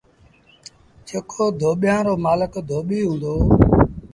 جيڪو ڌوٻيآݩ رو مآلڪ ڌوٻيٚ هُݩدو۔